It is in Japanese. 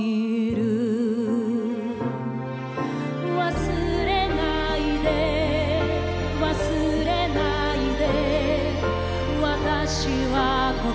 「忘れないで忘れないで」